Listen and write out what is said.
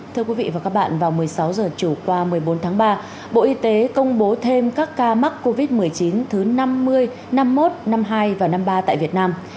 thưa quý vị và các bạn vào một mươi sáu h chiều qua một mươi bốn tháng ba bộ y tế công bố thêm các ca mắc covid một mươi chín thứ năm mươi năm mươi một năm mươi hai và năm mươi ba tại việt nam